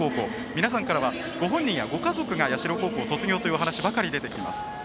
皆さんからはご本人やご家族が社高校を卒業というお話ばかり出てきます。